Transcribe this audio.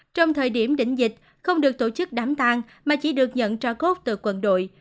trong thời điểm đỉnh dịch không được tổ chức đám tang mà chỉ được nhận cho cốt từ quân đội